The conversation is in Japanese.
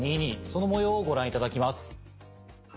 その模様をご覧いただきます。